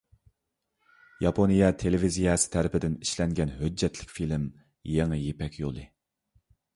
ياپونىيە تېلېۋىزىيەسى تەرىپىدىن ئىشلەنگەن ھۆججەتلىك فىلىم: «يېڭى يىپەك يولى» .